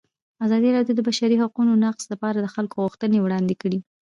ازادي راډیو د د بشري حقونو نقض لپاره د خلکو غوښتنې وړاندې کړي.